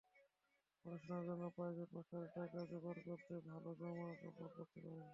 পড়াশোনার জন্য, প্রাইভেট মাস্টারের টাকা জোগাড় করতে ভালো জামা কাপড় পরতে পারেননি।